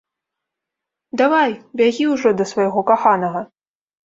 Давай, бягі ўжо да свайго каханага.